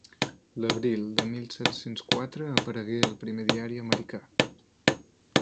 L'abril de mil set-cents quatre aparegué el primer diari americà.